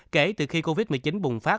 kể từ khi covid một mươi chín bùng phát